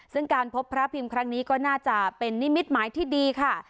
ซึ่งการพบพระพิมพ์ครั้งนี้ก็น่าจะเป็นนิมิตหมายที่ดีค่ะ